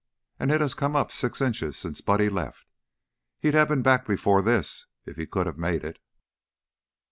And it has come up six inches since Buddy left. He'd have been back before this if he could have made it."